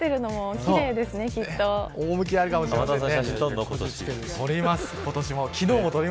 趣があるかもしれませんね。